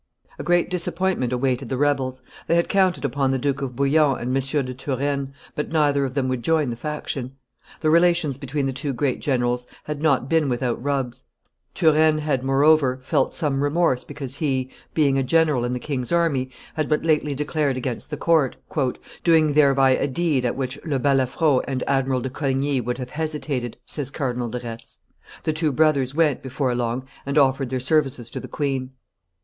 A great disappointment awaited the rebels; they had counted upon the Duke of Bouillon and M. de Turenne, but neither of them would join the faction. The relations between the two great generals had not been without rubs; Turenne had, moreover, felt some remorse because he, being a general in the king's army, had but lately declared against the court, "doing thereby a deed at which Le Balafro and Admiral de Coligny would have hesitated," says Cardinal de Retz. The two brothers went, before long, and offered their services to the queen.